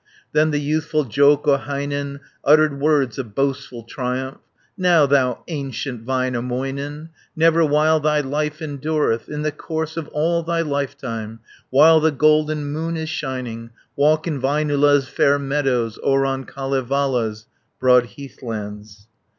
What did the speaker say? Then the youthful Joukahainen Uttered words of boastful triumph: "Now thou ancient Väinämöinen, Never while thy life endureth, In the course of all thy lifetime, While the golden moon is shining, 200 Walk in Väinölä's fair meadows. Or on Kalevala's broad heathlands!